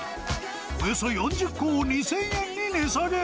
およそ４０個を２０００円に値下げ。